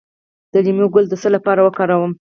د لیمو ګل د څه لپاره وکاروم؟